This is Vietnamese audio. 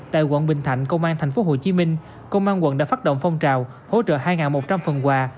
tại quận bình thạnh công an tp hcm công an quận đã phát động phong trào hỗ trợ hai một trăm linh phần quà